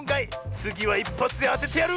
つぎはいっぱつであててやる！